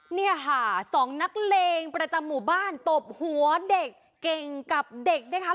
เนี่ยค่ะสองนักเลงประจำหมู่บ้านตบหัวเด็กเก่งกับเด็กนะคะ